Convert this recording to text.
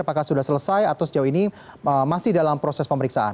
apakah sudah selesai atau sejauh ini masih dalam proses pemeriksaan